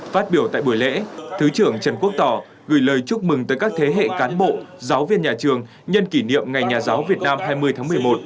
phát biểu tại buổi lễ thứ trưởng trần quốc tỏ gửi lời chúc mừng tới các thế hệ cán bộ giáo viên nhà trường nhân kỷ niệm ngày nhà giáo việt nam hai mươi tháng một mươi một